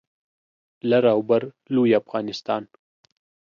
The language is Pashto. لر او بر لوی افغانستان